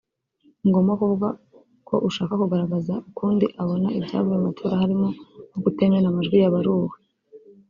ni ngombwa kuvuga ko ushaka kugaragaza ukundi abona ibyavuye mu matora harimo nko kutemera amajwi yabaruwe